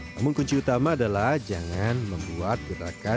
namun kunci utama adalah jangan membuat gerakan